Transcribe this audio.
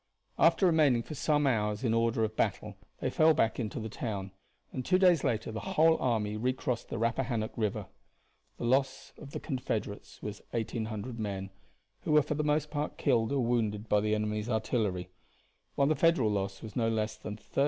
After remaining for some hours in order of battle they fell back into the town and two days later the whole army recrossed the Rappahannock River. The loss of the Confederates was 1,800 men, who were for the most part killed or wounded by the enemy's artillery, while the Federal loss was no less than 13,771.